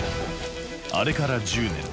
あれから１０年。